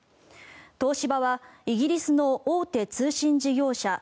東芝はイギリスの大手通信事業者